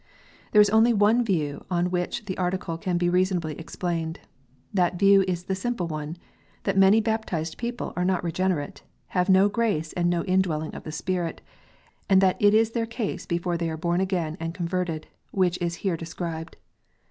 There is only one view on which the Article can be reasonably explained. That view is the simple one, that many baptized people are not regenerate, have no grace and no indwelling of the Spirit, and that it is their case before they are born again and converted, which is here described.